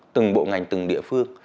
từng bộ ngành từng địa phương